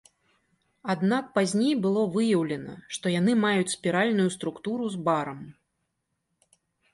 Аднак пазней было выяўлена, што яны маюць спіральную структуру з барам.